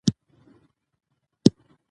پښتو ژبه زموږ د ټولو ګډه سرمایه ده.